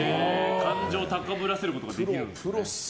感情を高ぶらせることができるんですね。